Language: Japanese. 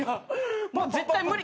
もう絶対無理。